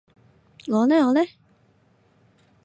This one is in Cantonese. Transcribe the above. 我呢我呢？